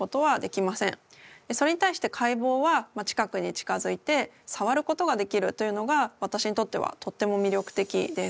それに対して解剖は近くに近づいてさわることができるというのが私にとってはとっても魅力的です。